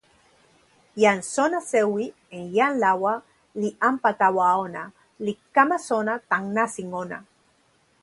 jan sona sewi en jan lawa li anpa tawa ona, li kama sona tan nasin ona.